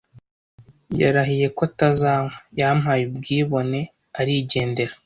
Yarahiye ko atazanywa. Yampaye ubwibone arigendera.